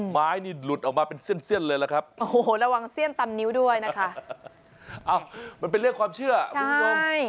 ไม้นี่หลุดออกมาเป็นเส้นเลยล่ะครับโอ้โหระวังเสี้ยนตำนิ้วด้วยนะคะมันเป็นเรื่องความเชื่อคุณผู้ชม